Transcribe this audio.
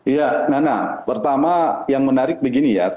ya nana pertama yang menarik begini ya